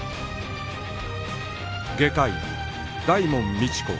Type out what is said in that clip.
外科医大門未知子